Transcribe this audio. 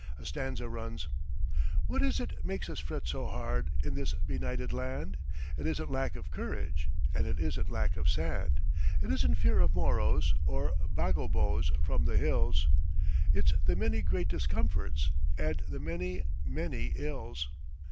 A stanza runs: "What is it makes us fret so hard In this benighted land? It isn't lack of courage And it isn't lack of 'sand.' It isn't fear of Moros Or Bagobos from the hills It's the many great discomforts And the many, many ills."